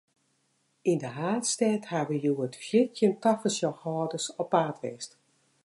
Yn de haadstêd hawwe hjoed fyftjin tafersjochhâlders op paad west.